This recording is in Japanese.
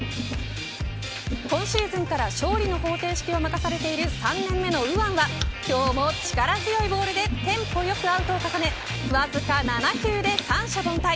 今シーズンから勝利の方程式を任されている３年目の右腕は今日も力強いボールでテンポよくアウトを重ねわずか７球で三者凡退。